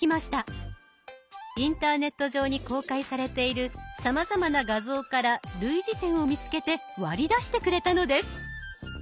インターネット上に公開されているさまざまな画像から類似点を見つけて割り出してくれたのです。